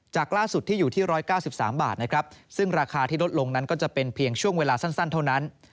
ล่าสุดที่อยู่ที่๑๙๓บาทนะครับซึ่งราคาที่ลดลงนั้นก็จะเป็นเพียงช่วงเวลาสั้นเท่านั้น